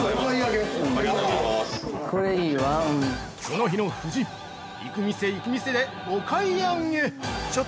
◆この日の夫人行く店、行く店でお買い上げ。